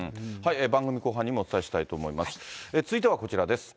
番組後半にもお伝えしたいと思います。